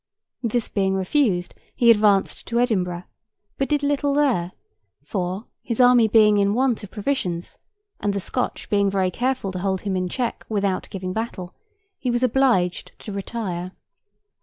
This being refused, he advanced to Edinburgh, but did little there; for, his army being in want of provisions, and the Scotch being very careful to hold him in check without giving battle, he was obliged to retire.